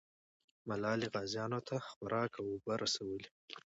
ملالۍ غازیانو ته خوراک او اوبه رسولې.